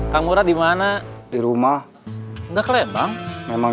kamu urus pasar sama jalanan